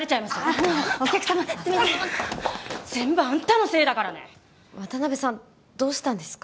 あのお客様全部あんたのせいだからね渡辺さんどうしたんですか？